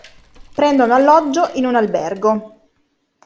Prendono alloggio in un albergo.